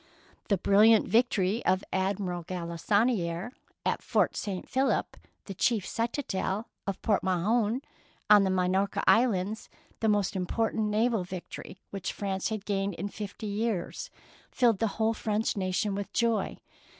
The brilliant victory of Admiral Galissonfere at Fort St. Philip, the chief citadel of Port Mahon on the Minorca Islands, the most important naval victory which Prance had gained in fifty years, filled the whole French nation with joy.